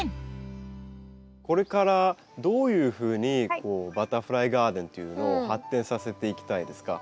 これからどういうふうにバタフライガーデンっていうのを発展させていきたいですか？